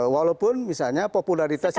walaupun misalnya popularitas itu